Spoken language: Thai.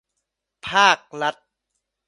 ภาครัฐ